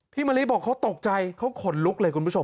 มะลิบอกเขาตกใจเขาขนลุกเลยคุณผู้ชม